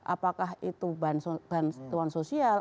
apakah itu bantuan sosial